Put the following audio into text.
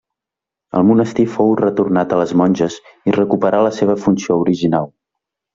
El monestir fou retornat a les monges i recuperà la seva funció original.